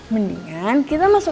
mendingan kita masuk aja disini